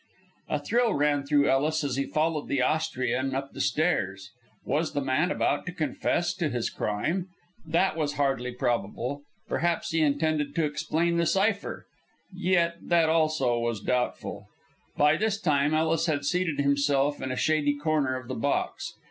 A thrill ran though Ellis as he followed the Austrian up the stairs. Was the man about to confess to his crime? That was hardly probable. Perhaps he intended to explain the cypher. Yet that, also, was doubtful. By this time Ellis had seated himself in a shady corner of the box.